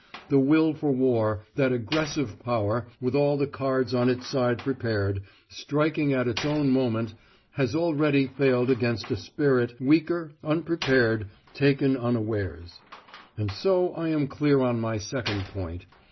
The will for war, that aggressive power, with all the cards on its side prepared, striking at its own moment, has already failed against a spirit, weaker, unprepared, taken unawares. And so I am clear on my second point.